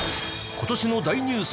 今年の大ニュース